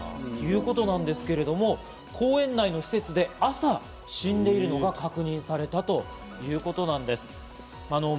これ前日まで生きていたということなんですけれども、公園内の施設で朝、死んでるのが確認されたということなんです。